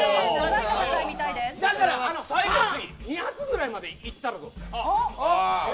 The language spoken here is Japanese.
だから２発ぐらいまでいったらどうですか。